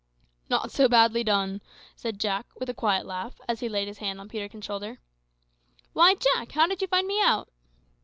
"Not so badly done," said Jack, with a quiet laugh, as he laid his hand on Peterkin's shoulder. "Why, Jack, how did you find me out?"